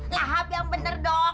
lahab yang bener dong